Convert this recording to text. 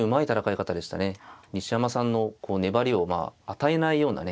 西山さんの粘りをまあ与えないようなね